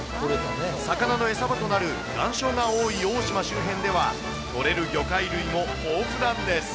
魚の餌場となる岩礁が多い大島周辺では、取れる魚介類も豊富なんです。